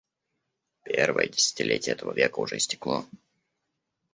Первое десятилетие этого века уже истекло.